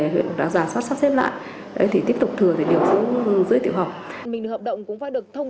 huyện đã giả soát sắp xếp lại đấy thì tiếp tục thừa về điều dưới tiểu học